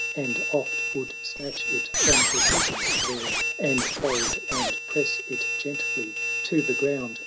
And oft would snatch it from her bosom there. And fold, and press it gently to the ground.